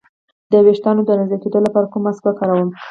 د ویښتو د نازکیدو لپاره کوم ماسک وکاروم؟